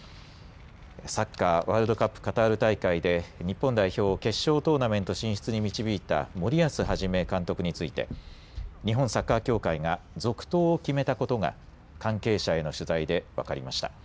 サッカーワールドカップカタール大会で日本代表を決勝トーナメント進出に導いた森保一監督について日本サッカー協会が続投を決めたことが関係者への取材で分かりました。